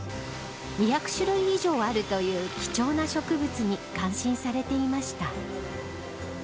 ２００種類以上あるという貴重な植物に感心されていました。